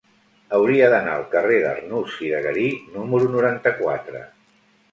Hauria d'anar al carrer d'Arnús i de Garí número noranta-quatre.